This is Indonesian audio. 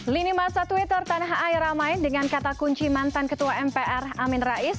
lini masa twitter tanah air ramai dengan kata kunci mantan ketua mpr amin rais